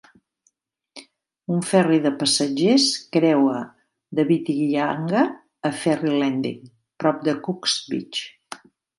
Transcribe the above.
Un ferri de passatgers creua de Whitianga a Ferri Landing, prop de Cooks Beach.